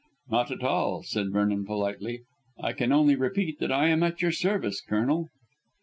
"Not at all," said Vernon politely; "I can only repeat that I am at your service, Colonel."